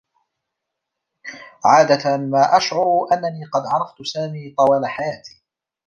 عادة ما أشعر أنّني قد عرفت سامي طوال حياتي.